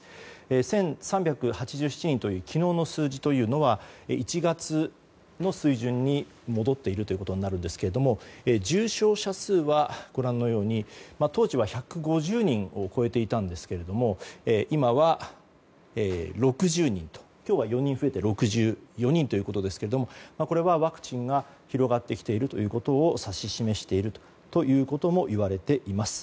１３８７人という昨日の数字というのは１月の水準に戻っているということになるんですが重症者数は、当時は１５０人を超えていたんですが今は６０人と、今日は４人増えて６４人ということですけれどもこれはワクチンが広がってきているということを指し示しているということもいわれています。